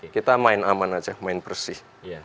kita main aman aja main bersih